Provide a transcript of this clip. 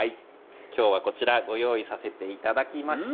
今日は、こちらご用意させていただきました。